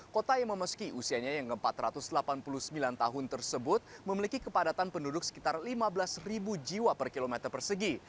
kota yang memasuki usianya yang empat ratus delapan puluh sembilan tahun tersebut memiliki kepadatan penduduk sekitar lima belas jiwa per kilometer persegi